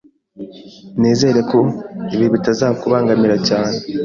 Nizere ko ibi bitazakubangamira cyane